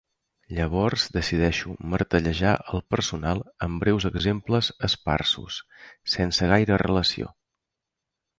Llavors decideixo martellejar el personal amb breus exemples esparsos, sense gaire relació.